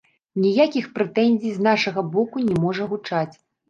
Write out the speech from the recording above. Ніякіх прэтэнзій з нашага боку не можа гучаць.